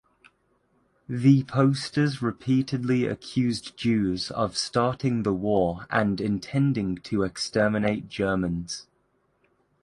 The posters repeatedly accused Jews of starting the war and intending to exterminate Germans.